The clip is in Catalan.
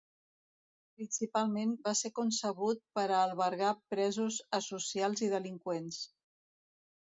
Principalment va ser concebut per a albergar presos asocials i delinqüents.